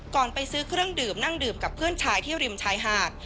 ไปซื้อเครื่องดื่มนั่งดื่มกับเพื่อนชายที่ริมชายหาด